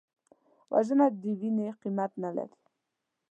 وژنه د وینې قیمت نه لري